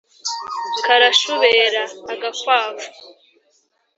Karashubera-Agakwavu.